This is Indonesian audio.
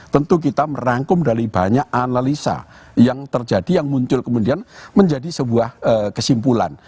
tentu kita merangkum dari banyak analisa yang terjadi yang muncul kemudian menjadi sebuah kesimpulan